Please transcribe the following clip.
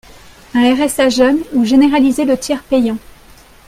un RSA jeunes ou généraliser le tiers payant.